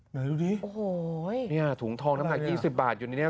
ไหนดูดิโอ้โหเนี่ยถุงทองน้ำหนัก๒๐บาทอยู่ในนี้